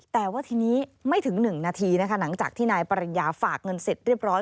แต่ว่าทีนี้ไม่ถึง๑นาทีนะคะหลังจากที่นายปริญญาฝากเงินเสร็จเรียบร้อย